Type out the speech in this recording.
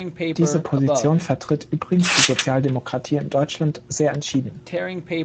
Diese Position vertritt übrigens die Sozialdemokratie in Deutschland sehr entschieden.